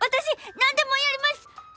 何でもやります！